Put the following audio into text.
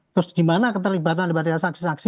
terus dimana keterlibatan daripada saksi saksi